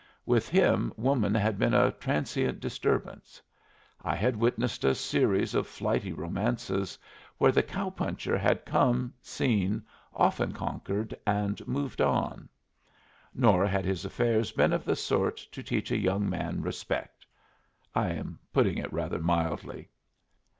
With him woman had been a transient disturbance. I had witnessed a series of flighty romances, where the cow puncher had come, seen, often conquered, and moved on. Nor had his affairs been of the sort to teach a young man respect. I am putting it rather mildly.